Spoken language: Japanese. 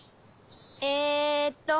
えっと。